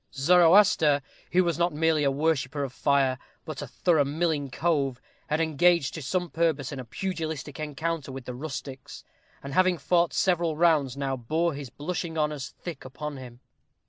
Zoroaster, who was not merely a worshipper of fire, but a thorough milling cove, had engaged to some purpose in a pugilistic encounter with the rustics; and, having fought several rounds, now "bore his blushing honors thick upon him."